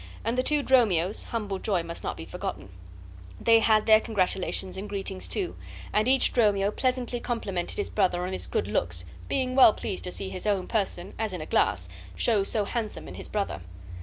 And the two Dromios' humble joy must not be forgotten; they had their congratulations and greetings, too, and each Dromio pleasantly complimented his brother on his good looks, being well pleased to see his own person (as in a glass) show so handsome in his brother.